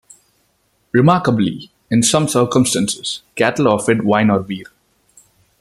Remarkably, in some circumstances, cattle are fed wine or beer.